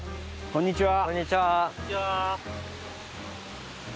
こんにちは。